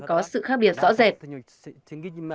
có sự khác biệt rõ rệt